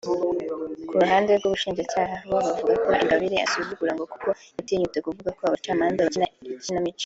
Ku ruhande rw’ubushinjacyaha bo bavuze ko Ingabire asuzugura ngo kuko yatinyutse kuvuga ko abacamanza bakina ikinamico